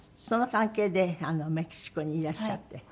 その関係でメキシコにいらっしゃって。